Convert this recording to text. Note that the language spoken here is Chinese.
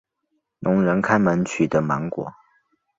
聋人开门取得芒果。